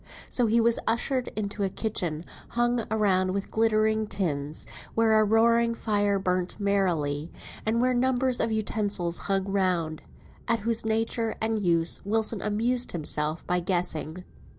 So he was ushered into a kitchen hung round with glittering tins, where a roaring fire burnt merrily, and where numbers of utensils hung round, at whose nature and use Wilson amused himself by guessing.